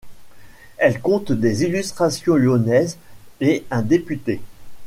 Elle compte des illustrations lyonnaises et un député.